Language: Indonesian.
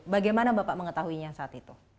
bagaimana bapak mengetahuinya saat itu